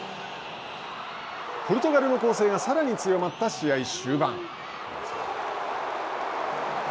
ポルトガルの攻勢がさらに強まった試合終盤。